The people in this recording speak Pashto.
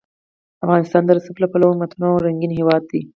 افغانستان د رسوب له پلوه یو متنوع او رنګین هېواد دی.